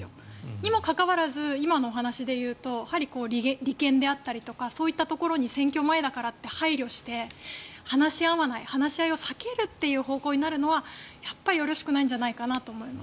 にもかかわらず今のお話で言うとやはり利権であったりそういったところに選挙前だからって配慮して話し合わない話し合いを避けるという方向になるのはよろしくないんじゃないかなと思います。